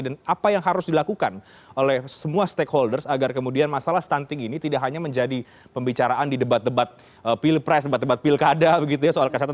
dan apa yang harus dilakukan oleh semua stakeholders agar kemudian masalah stunting ini tidak hanya menjadi pembicaraan di debat debat pilpres debat debat pilkada begitu ya soal kesehatan